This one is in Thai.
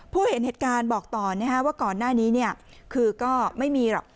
ผู้เห็นเหตุการณ์บอกตอนนะฮะว่าก่อนหน้านี้เนี้ยคือก็ไม่มีหรอก